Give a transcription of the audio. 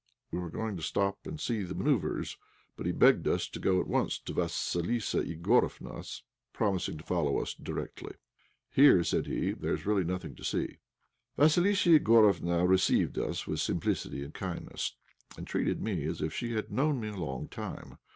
We were going to stop and see the manoeuvres, but he begged us to go at once to Vassilissa Igorofna's, promising to follow us directly. "Here," said he, "there's really nothing to see." Vassilissa Igorofna received us with simplicity and kindness, and treated me as if she had known me a long time.